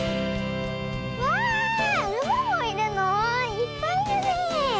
いっぱいいるねえ。